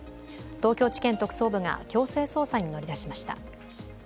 東京地検特捜部が、強制捜査に乗り出しました。